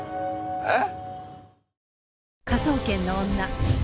えっ！？